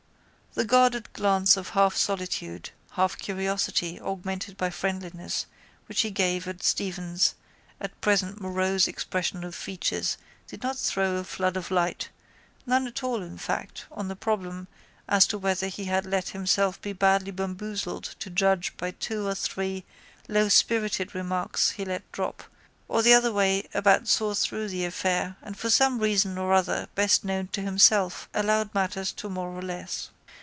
The guarded glance of half solicitude half curiosity augmented by friendliness which he gave at Stephen's at present morose expression of features did not throw a flood of light, none at all in fact on the problem as to whether he had let himself be badly bamboozled to judge by two or three lowspirited remarks he let drop or the other way about saw through the affair and for some reason or other best known to himself allowed matters to more or less.